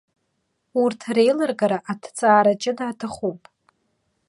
Урҭ реилыргара аҭҵаара ҷыда аҭахуп.